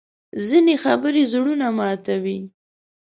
ځینې خبرې زړونه ماتوي